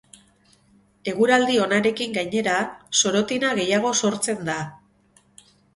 Eguraldi onarekin, gainera, sorotina gehiago sortzen da.